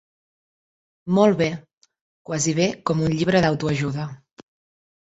Molt bé, quasi bé com un llibre d'autoajuda.